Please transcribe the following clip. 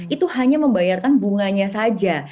itu hanya membayarkan bunganya saja